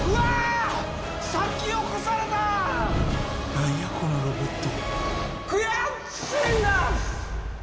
何やこのロボット。